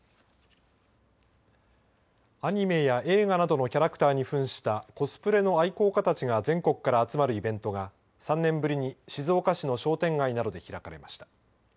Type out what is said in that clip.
アニメや映画などのキャラクターにふんしたコスプレの愛好家たちが全国から集まるイベントが３年ぶりに静岡市の商店街などで開かれました。